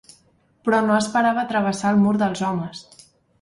Però no esperava travessar el mur dels homes.